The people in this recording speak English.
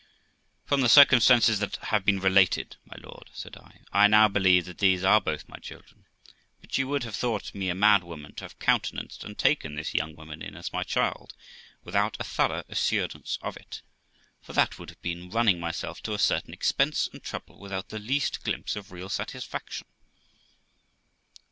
From the circumstances that have been related, my lord', said I, 'I now believe that these are both my children ; but you would have thought me a mad woman to have countenanced and taken this young woman in as my child, without a thorough assurance of it ; for that would have been running myself to a certain expense and trouble, without the least glimpse of real satisfaction.'